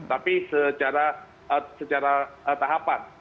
tapi secara tahapan